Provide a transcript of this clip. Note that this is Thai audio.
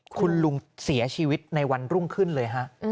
คุณลุงเสียชีวิตในวันรุ่งขึ้นเลยฮะ